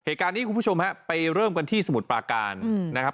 เหตุการณ์นี้คุณผู้ชมครับไปเริ่มกันที่สมุทรปลาการนะครับ